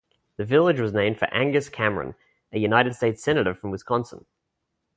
The village was named for Angus Cameron, a United States Senator from Wisconsin.